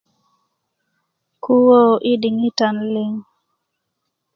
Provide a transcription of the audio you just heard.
kuwö i diŋitan liŋ